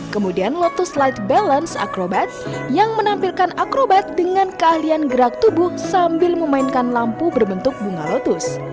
kemudian lotus light balance akrobat yang menampilkan akrobat dengan keahlian gerak tubuh sambil memainkan lampu berbentuk bunga lotus